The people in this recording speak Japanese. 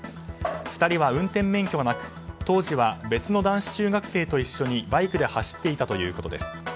２人は運転免許がなく当時は別の男子中学生と一緒にバイクで走っていたということです。